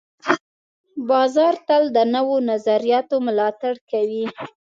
بازار تل د نوو نظریاتو ملاتړ کوي.